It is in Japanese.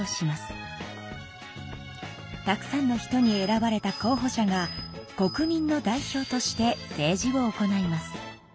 たくさんの人に選ばれた候ほ者が国民の代表として政治を行います。